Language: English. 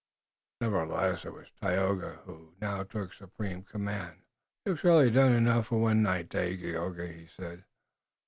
Nevertheless, it was Tayoga who now took supreme command. "You have surely done enough for one night, Dagaeoga," he said.